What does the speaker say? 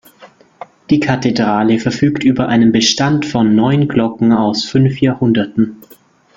Die Kathedrale verfügt über einen Bestand von neun Glocken aus fünf Jahrhunderten.